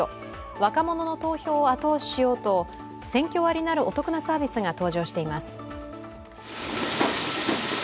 若者の投票を後押ししようとセンキョ割などお得なサービスが登場しています。